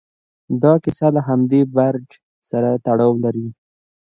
دا کیسه له همدې برج سره تړاو لري.